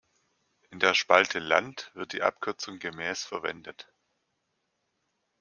In der Spalte "Land" wird die Abkürzung gemäß verwendet.